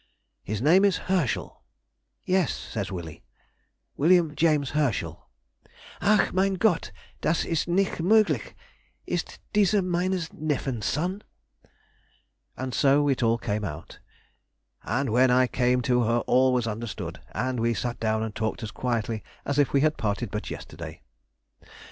'His name is Herschel.' 'Yes,' says Willie, 'William James Herschel.' 'Ach, mein Gott! das ist nicht möglich; ist dieser meines Neffen's Sohn?' And so it all came out, and when I came to her all was understood, and we sat down and talked as quietly as if we had parted but yesterday....